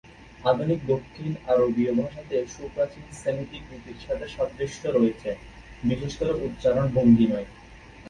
আধুনিক দক্ষিণ আরবীয় ভাষাতে সুপ্রাচীন সেমিটিক রীতির সাথে সাদৃশ্য রয়েছে, বিশেষ করে উচ্চারণ ভঙ্গিমায়।